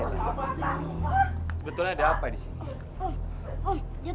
sebetulnya ada apa di sini